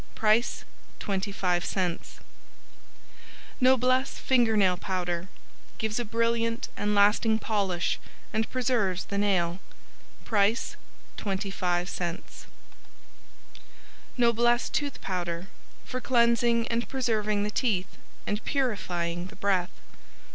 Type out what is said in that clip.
Price 25c Noblesse Finger Nail Powder Gives a brilliant and lasting polish and preserves the nail. Price 25c Noblesse Tooth Powder For cleansing and preserving the teeth, and purifying the breath.